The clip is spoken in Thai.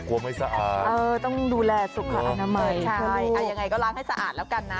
ไม่สะอาดเออต้องดูแลสุขอนามัยใช่อ่ายังไงก็ล้างให้สะอาดแล้วกันนะ